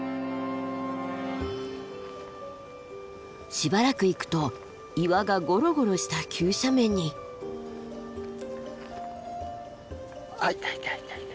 しばらく行くと岩がゴロゴロした急斜面に。あっいたいたいたいた。